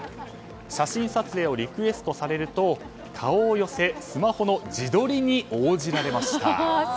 写真撮影をリクエストされると顔を寄せスマホの自撮りに応じられました。